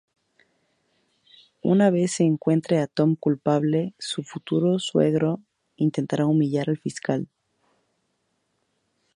Una vez se encuentre a Tom culpable, su futuro suegro intentará humillar al fiscal.